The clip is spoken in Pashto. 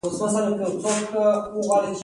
خدمتګار راغی، غلی ودرېد.